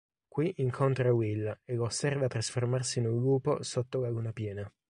Qui incontra Will e lo osserva trasformarsi in un lupo, sotto la luna piena.